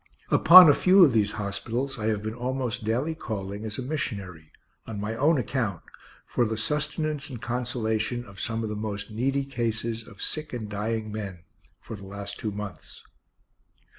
Upon a few of these hospitals I have been almost daily calling as a missionary, on my own account, for the sustenance and consolation of some of the most needy cases of sick and dying men, for the last two months.